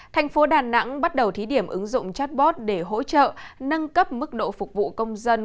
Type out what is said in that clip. thành phố đà nẵng bắt đầu thí điểm ứng dụng chatbot để hỗ trợ nâng cấp mức độ phục vụ công dân